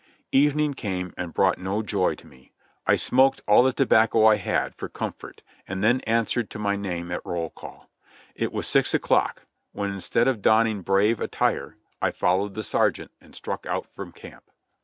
Evening came and brought no joy to me. I smoked all the tobacco I had, for comfort, and then answered to my name at roll call. It was six o'clock, when instead of donning brave at tire I followed the sergeant and struck out from camp.